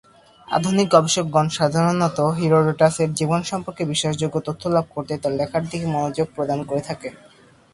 আধুনিক গবেষকগণ সাধারণত হিরোডোটাস এর জীবন সম্পর্কে বিশ্বাসযোগ্য তথ্য লাভ করতে তার লেখার দিকে মনোযোগ প্রদান করে থাকেন।